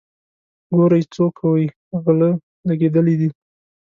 ګورئ څو کوئ غله لګېدلي دي.